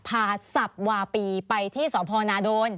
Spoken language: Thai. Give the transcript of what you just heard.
พาสับวาปีไปที่สรรน